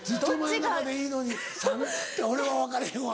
俺は分かれへんわ。